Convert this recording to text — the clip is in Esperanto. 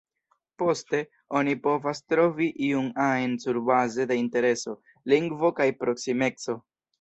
Poste, oni povas trovi iun ajn surbaze de intereso, lingvo kaj proksimeco.